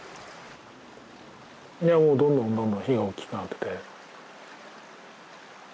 いやもうどんどんどんどん火がおっきくなってて。